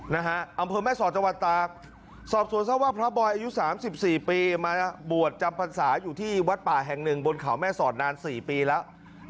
อำเภอแม่สอดจังหวัดตากสอบสวนทราบว่าพระบอยอายุ๓๔ปีมาบวชจำพรรษาอยู่ที่วัดป่าแห่งหนึ่งบนเขาแม่สอดนาน๔ปีแล้ว